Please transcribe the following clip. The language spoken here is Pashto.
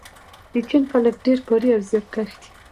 د چین خلک ډیر کاري او زیارکښ دي.